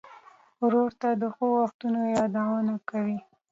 ورور ته د ښو وختونو یادونه کوې.